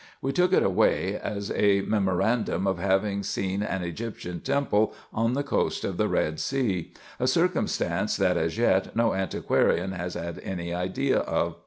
We took it away, as a memorandum of having seen an Egyptian temple on the coast of the Red Sea ; a circumstance that, as yet, no antiquarian has had any idea of.